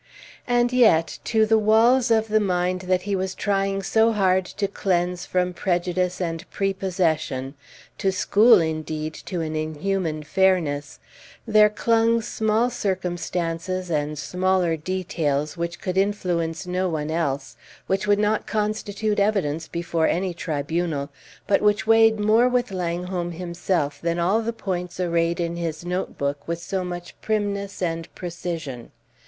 And yet, to the walls of the mind that he was trying so hard to cleanse from prejudice and prepossession to school indeed to an inhuman fairness there clung small circumstances and smaller details which could influence no one else, which would not constitute evidence before any tribunal, but which weighed more with Langholm himself than all the points arrayed in his note book with so much primness and precision.